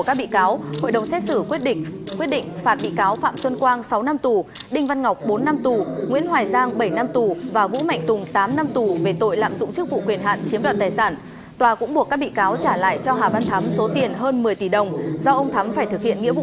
các bị cáo bị tuyên phạt từ bốn đến tám năm tù